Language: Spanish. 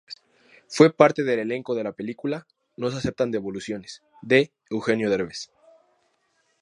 Fue parte del elenco de la película "No se aceptan devoluciones", de Eugenio Derbez.